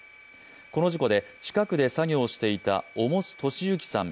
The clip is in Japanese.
この事故で近くで作業していた重栖敏行さん